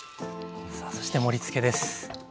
さあそして盛りつけです。